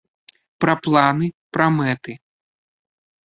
Пра планы, пра мэты.